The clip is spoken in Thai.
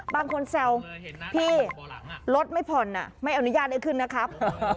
บางคนแซวพี่รถไม่ผ่อนอ่ะไม่เอานุญาณให้ขึ้นนะครับ